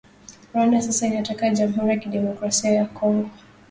Rwanda sasa inataka jamhuri ya kidemokrasia ya Kongo